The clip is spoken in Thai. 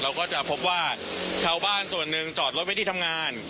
เราก็จะพบว่าชาวบ้านส่วนหนึ่งจอดรถไว้ที่ทำงาน